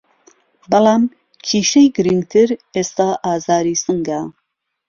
بەڵام کیشەی گرنگتر ئێستا ئازاری سنگه